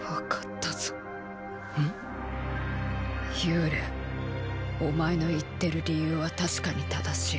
ん⁉幽連お前の言ってる理由はたしかに正しい。